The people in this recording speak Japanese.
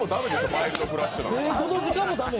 マイルドフラッシュなんて。